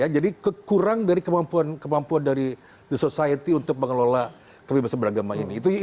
jadi kekurang dari kemampuan dari the society untuk mengelola kebebasan beragama ini